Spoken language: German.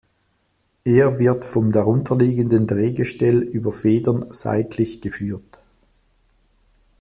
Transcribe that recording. Er wird vom darunterliegenden Drehgestell über Federn seitlich geführt.